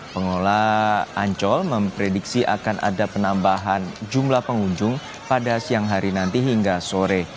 pengelola ancol memprediksi akan ada penambahan jumlah pengunjung pada siang hari nanti hingga sore